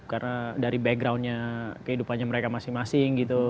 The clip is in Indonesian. karena dari backgroundnya kehidupannya mereka masing masing gitu